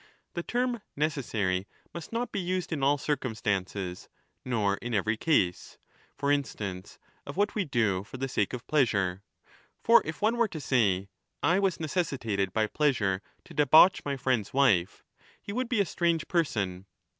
The term ' necessary ' must not be used in all circumstances nor in every case — for instance, of what we do for the sake of pleasure. For if one were to say ' I was necessitated by pleasure to debauch my friend's wife ', he would be a strange person.